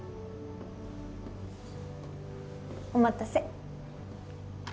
お待たせ。